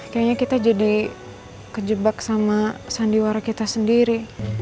kayaknya kita jadi kejebak sama sandiwara kita sendiri